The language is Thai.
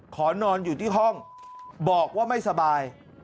ขอนอนอยู่ที่ห้องบอกว่าไม่สบาย